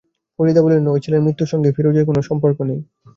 ফরিদা বললেন, ঐ ছেলের মৃত্যুর সঙ্গে ফিরোজের কোনো সম্পর্ক নেই।